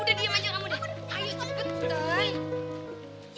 udah diem aja kamu deh ayo cepetan